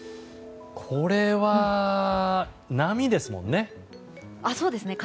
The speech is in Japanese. これは波ですもんね。